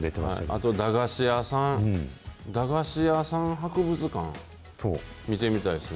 あと駄菓子屋さん、駄菓子屋さん博物館、見てみたいですね。